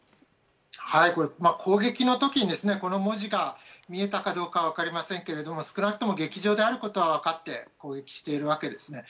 攻撃の時にこの文字が見えたかどうかは分かりませんけれども少なくとも劇場であることは分かって攻撃しているわけです。